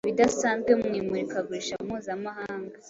ibidasanzwe mu imurikagurisha mpuzamahanga